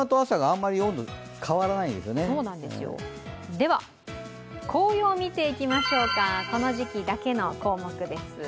では、紅葉を見ていきましょうかこの時期だけの項目です。